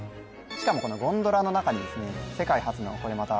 しかもこのゴンドラの中にですね・